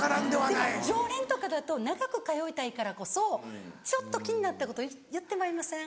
常連とかだと長く通いたいからこそちょっと気になったこと言ってまいません？